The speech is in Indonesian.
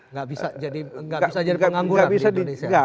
nggak bisa jadi pengangguran di indonesia